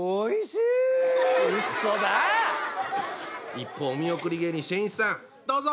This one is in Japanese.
一方お見送り芸人しんいちさんどうぞ！